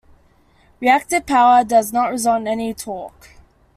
Reactive power does not result in any torque.